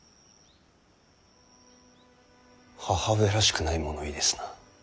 母上らしくない物言いですな。